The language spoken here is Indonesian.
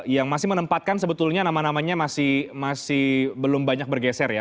yang masih menempatkan sebetulnya nama namanya masih belum banyak bergeser ya